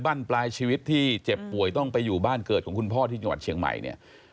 บ้านปลายชีวิตที่เจ็บป่วยต้องไปอยู่บ้านเกิดของคุณพ่อที่จังหวัดเชียงใหม่เนี่ย